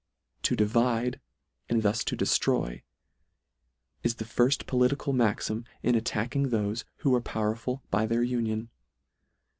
To divide, and thus to dejiroy, is the firft political maxim in attack ing thofe who are powerful by their union.